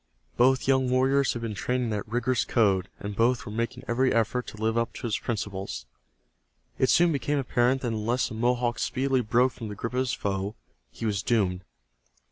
Both young warriors had been trained in that rigorous code, and both were making every effort to live up to its principles. It soon became apparent that unless the Mohawk speedily broke from the grip of his foe he was doomed.